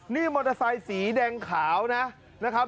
นี่มอเตอร์ไซค์สีแดงขาวนะครับ